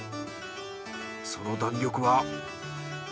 その弾力は。